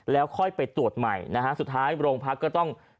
แล้วค่อยไปตรวจใหม่นะฮะสุดท้ายโรงพักก็ต้อง